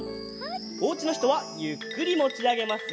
おうちのひとはゆっくりもちあげますよ。